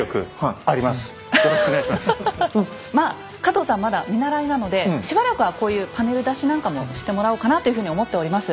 まあ加藤さんまだ見習いなのでしばらくはこういうパネル出しなんかもしてもらおうかなというふうに思っております。